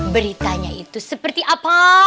beritanya itu seperti apa